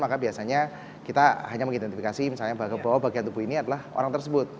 maka biasanya kita hanya mengidentifikasi misalnya bahwa bagian tubuh ini adalah orang tersebut